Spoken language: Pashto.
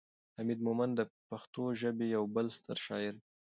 حمید مومند د پښتو ژبې یو بل ستر شاعر دی.